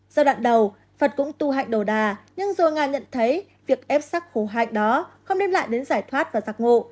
giai đoạn đầu phật cũng tu hạnh đồ đà nhưng rồi ngài nhận thấy việc ép sắc khổ hạnh đó không đến lại đến giải thoát và giặc ngộ